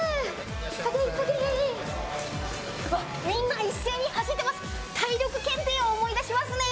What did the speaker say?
みんな一斉に走ってます。